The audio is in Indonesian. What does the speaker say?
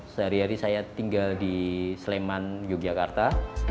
sehari hari saya tinggal di sleman yogyakarta